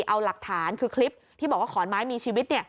เอาหลักฐานคือคลิปที่บอกว่าขอนไม้มีชีวิต